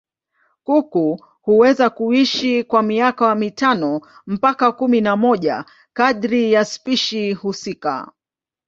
Kuku huweza kuishi kwa miaka mitano mpaka kumi na moja kadiri ya spishi husika.